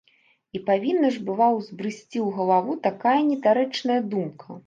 І павінна ж была ўзбрысці ў галаву такая недарэчная думка!